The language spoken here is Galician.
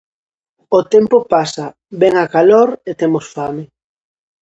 O tempo pasa, vén a calor e temos fame.